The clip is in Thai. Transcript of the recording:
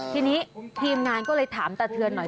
ทีนี้ทีมงานก็เลยถามตาเทือนหน่อย